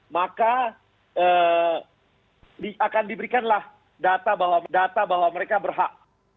maka akan diberikanlah data bahwa mereka berhak